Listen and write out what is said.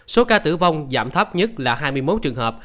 số ca tử vong giảm thấp nhất là hai mươi một trường hợp